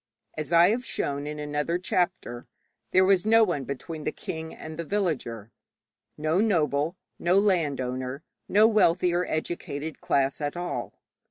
As I have shown in another chapter, there was no one between the king and the villager no noble, no landowner, no wealthy or educated class at all.